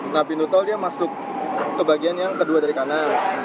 nah pintu tol dia masuk ke bagian yang kedua dari kanan